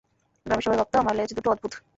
গ্রামের সবাই ভাবত আমার লেজ দুটো অদ্ভুত।